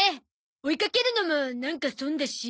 追いかけるのもなんか損だし。